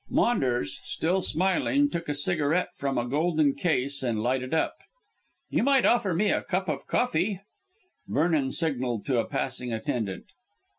Maunders, still smiling, took a cigarette from a golden case and lighted up. "You might offer me a cup of coffee." Vernon signalled to a passing attendant.